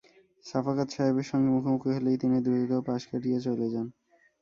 সাফাকাত সাহেবের সঙ্গে মুখোমুখি হলেই তিনি দ্রুত পাশ কাটিয়ে চলে যান।